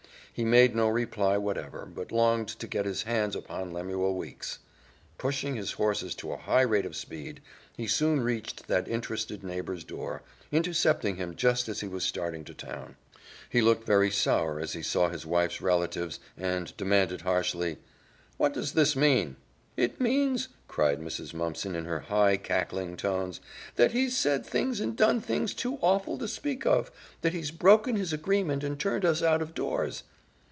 He made no reply whatever, but longed to get his hands upon Lemuel Weeks. Pushing his horses to a high rate of speed, he soon reached that interested neighbor's door, intercepting him just as he was starting to town. He looked very sour as he saw his wife's relatives, and demanded harshly, "What does this mean?" "It means," cried Mrs. Mumpson in her high, cackling tones, "that he's said things and done things too awful to speak of; that he's broken his agreement and turned us out of doors."